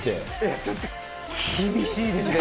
ちょっと厳しいですね。